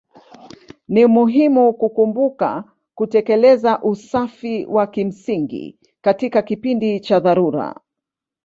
Ni muhimu kukumbuka kutekeleza usafi wa kimsingi katika kipindi cha dharura.